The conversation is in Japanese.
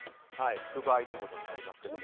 拭く場合ということになりますが。